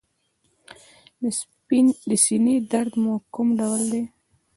د سینې درد مو کوم ډول دی؟